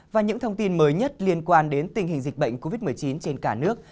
và những thông tin mới nhất liên quan đến tình hình dịch bệnh covid một mươi chín trên cả nước